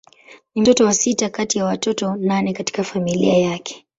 Ni mtoto wa sita kati ya watoto nane katika familia yake.